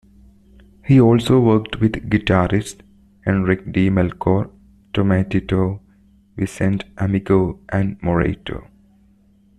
He has also worked with guitarists Enrique De Melchor, Tomatito, Vicente Amigo and Moraito.